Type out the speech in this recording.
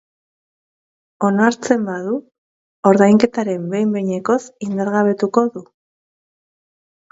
Onartzen badu, ordainketaren behin-behinekoz indargabetuko du.